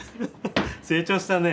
成長したね。